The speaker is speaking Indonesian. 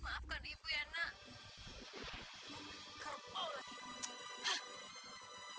gak ngerti kan duit